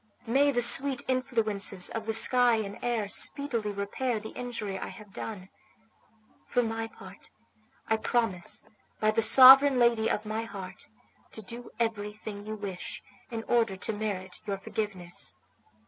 May the sweet influences of the sky and air speedily repair the injury I have done! For my part, I promise by the sovereign lady of my heart to do everything you wish in order to merit your forgiveness."